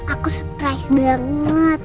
aku terkejut banget